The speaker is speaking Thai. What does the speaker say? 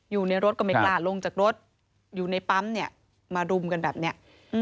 อยู่ในรถก็ไม่กล้าลงจากรถอยู่ในปั๊มเนี่ยมารุมกันแบบนี้